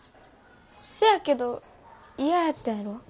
せやけど嫌やったやろ？